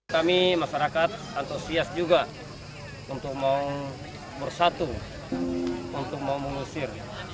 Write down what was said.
kami masyarakat antusias juga untuk mau bersatu untuk mau mengusir